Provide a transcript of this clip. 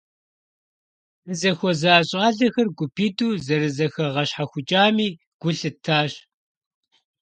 Дызыхуэза щIалэхэр гупитIу зэрызэхэгъэщхьэхукIами гу лъыттащ.